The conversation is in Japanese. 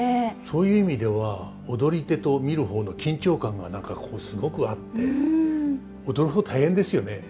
そういう意味では踊り手と見る方の緊張感が何かこうすごくあって踊る方大変ですよね。